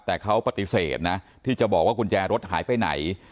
แต่เขาปฏิเสธนะที่จะบอกว่ากุญแจรถหายไปไหน